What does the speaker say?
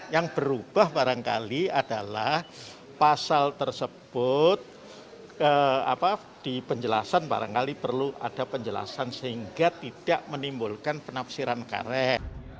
yang berubah barangkali adalah pasal tersebut di penjelasan barangkali perlu ada penjelasan sehingga tidak menimbulkan penafsiran karet